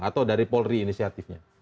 atau dari polri inisiatifnya